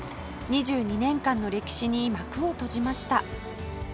２２年間の歴史に幕を閉じました